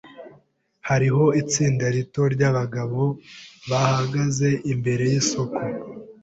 Hariho itsinda rito ryabagabo bahagaze imbere yisoko.